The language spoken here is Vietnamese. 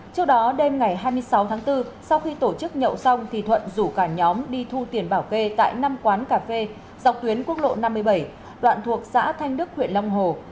trước đó đêm ngày hai mươi sáu tháng bốn sau khi tổ chức nhậu xong thì thuận rủ cả nhóm đi thu tiền bảo kê tại năm quán cà phê dọc tuyến quốc lộ năm mươi bảy đoạn thuộc xã thanh đức huyện long hồ